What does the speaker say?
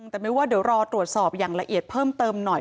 แต่ไม่ว่าเดี๋ยวรอตรวจสอบอย่างละเอียดเพิ่มเติมหน่อย